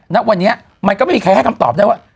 ณวันนี้มันก็ไม่มีใครให้คำตอบได้ว่า